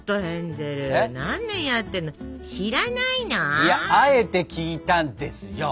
いやあえて聞いたんですよ。